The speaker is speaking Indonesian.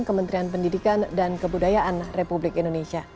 kementerian pendidikan dan kebudayaan republik indonesia